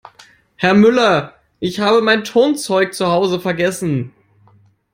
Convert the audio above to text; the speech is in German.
Herr Müller, ich habe mein Turnzeug zu Hause vergessen.